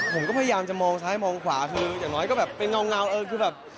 ผมก็พยายามจะมองซ้ายมองขวาคืออย่างน้อยก็แบบเป็นเงาเออคือแบบ